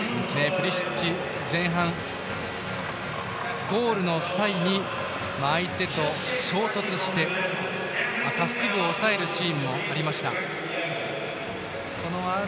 プリシッチ前半ゴールの際に相手と衝突して下腹部を押さえるシーンもありました。